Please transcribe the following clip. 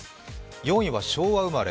４位は昭和生まれ。